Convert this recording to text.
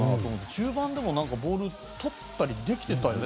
中盤でもボールをとったりできてたよね。